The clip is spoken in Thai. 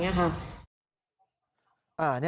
ขอโทษครับขอโทษครับ